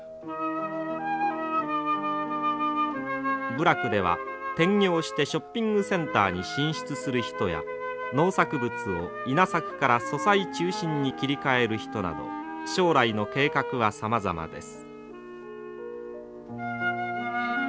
部落では転業してショッピングセンターに進出する人や農作物を稲作からそ菜中心に切り替える人など将来の計画はさまざまです。